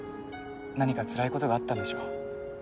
何かつらいことがあったんでしょ？